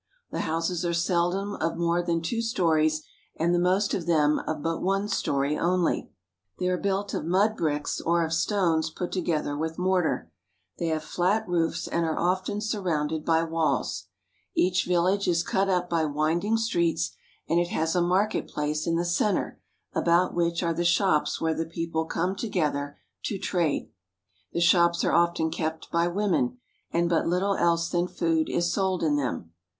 The houses are seldom of more than two stories, and the most of them of but one story only. They are built of mud bricks or of stones put together with mortar. They have flat roofs, and are often surrounded by walls. Each 344 IN AN ARABIAN VILLAGE village is cut up by winding streets and it has a market place in the center about which are the shops where the people come together to trade. The shops are often kept by women, and but little else than food is sold in them.